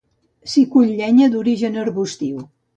S'hi cull llenya d'origen arbustiu.